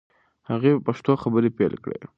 هغې په پښتو خبرې پیل کړې.